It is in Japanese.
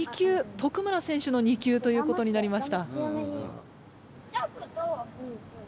徳村選手の２球ということになりました。